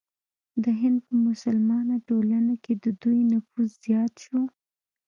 د هند په مسلمانه ټولنه کې د دوی نفوذ زیات شو.